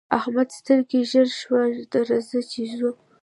احمده! سترګه ژړه شوه؛ درځه چې ځو.